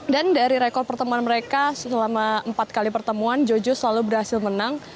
dan dari rekor pertemuan mereka selama empat kali pertemuan jojo selalu berhasil menang